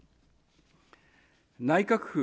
内閣府